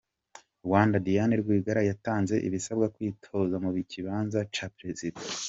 Rwanda: Diane Rwigara yatanze ibisabwa kwitoza mu kibanza ca Prezida.